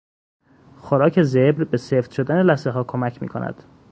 خوراک زبر به سفت شدن لثهها کمک میکند.